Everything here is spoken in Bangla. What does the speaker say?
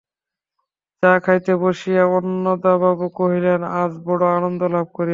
চা খাইতে বসিয়া অন্নদাবাবু কহিলেন, আজ বড়ো আনন্দলাভ করিয়াছি।